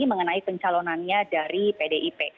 mengenai pencalonannya dari pdip